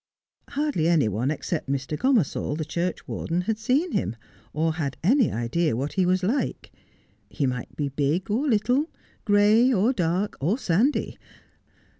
Hardly any one except Mr. Gomersall, the churchwarden, had seen him, or had any idea what he was like. He might be big or little, gray, or dark, or sandy.